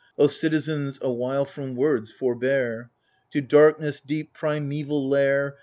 (O citizens^ awhile from words forbear f) To darkness' deep primeval lair.